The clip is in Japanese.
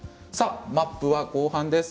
マップは後半です。